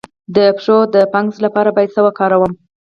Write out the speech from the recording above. د پښو د فنګس لپاره باید څه شی وکاروم؟